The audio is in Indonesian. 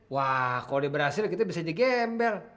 wah kalo dia berhasil kita bisa digembel